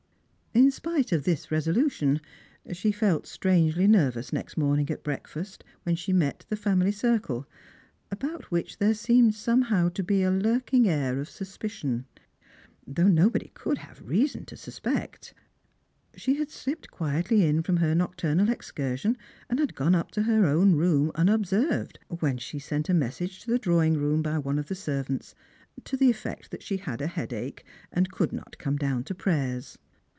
In spite of this resolution she felt strangely nervous next morning at breakfast, when she met the family circle, about which there seemed somehew to be a lurking air of suspicion, thouuh nobody could have reason to suspect. She had slipped quietly in from her nocturnal excursion, and had gone up to her Qwn room unobserved : whence she sent a message to the draw ing room by one of the servants, to the eifect that she had a headache, and could not come down to prayers.